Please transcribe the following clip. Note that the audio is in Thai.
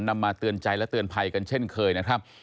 มาเตือนใจและเตือนภัยกันเช่นเคยนะครับ